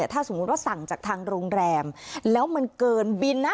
ถ้าสมมุติว่าสั่งจากทางโรงแรมแล้วมันเกินบินนะ